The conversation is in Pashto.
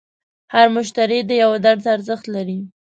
هر مشتری د یوه درس ارزښت لري.